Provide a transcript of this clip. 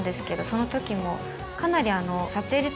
その時もかなり。